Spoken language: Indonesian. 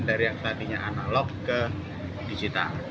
dari yang tadinya analog ke digital